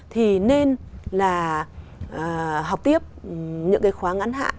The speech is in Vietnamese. thì nên là học tiếp những cái khóa ngắn hạn